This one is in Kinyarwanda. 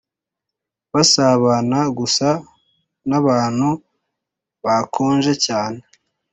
basabana gusa nabantu bakonje cyane